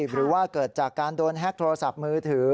หรือว่าเกิดจากการโดนแฮ็กโทรศัพท์มือถือ